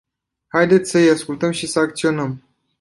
Haideți să îi ascultăm și să acționăm.